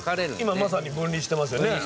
今まさに分離してますよね。